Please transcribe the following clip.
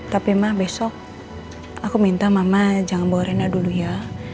tapi mah besok aku minta mama jangan bawa rena dulu ya